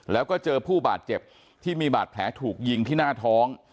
แล้วก็เจอผู้บาดเจ็บที่มีบาดแผลถูกยิงที่หน้าท้อง